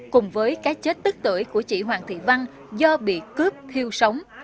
cùng với cái chết tức tử của chị hoàng thị văn do bị cướp thiêu sống